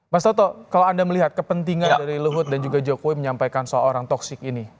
mas toto kalau anda melihat kepentingan dari luhut dan juga jokowi menyampaikan seorang toksik ini